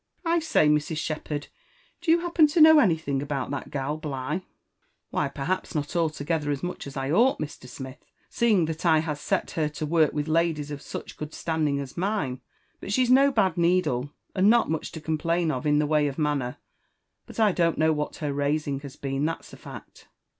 I say, Mrs. Shepherd, do you happen to know anything about that g.al Bligh ?" If S80 LIFE AND ADVENTURES OF ''Why, perhaps not allogethcr so much as I ought, Mr. Smith, seeing that I has set her to work with ladies of such good standing as mine. But she's no bad needle, and not much to complain of in the way of manner; but I don't know what her raising has been, that's a fact."